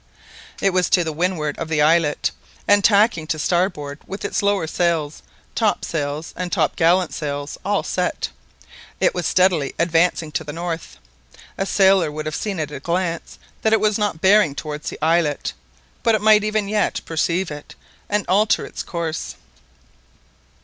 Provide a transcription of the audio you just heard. It was to the windward of the islet, and tacking to starboard with its lower sails, top sails, and top gallant sails all set. It was steadily advancing to the north. A sailor would have seen at a glance that it was not bearing towards the islet, but it might even yet perceive it, and alter its course.